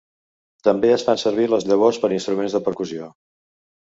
També es fan servir les llavors per instruments de percussió.